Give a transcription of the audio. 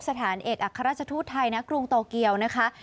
สถานเอกอัครราชทูตไทยณกรุงโตเกียวนะคะ